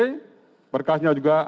dan juga berkasnya juga